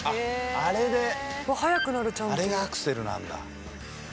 あれがアクセルなんだ。